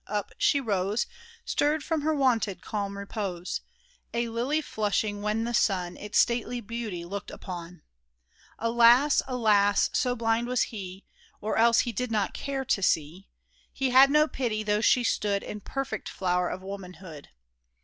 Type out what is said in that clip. Up she rose, Stirred from her wonted calm repose, A lily flushing when the sun Its stately beauty looked upon ! Alas ! alas ! so blind was he — Or else he did not care to see — He had no pity, though she stood In perfect flower of womanhood